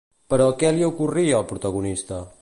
Però què li ocorria al protagonista?